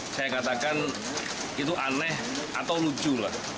saya katakan itu aneh atau lucu lah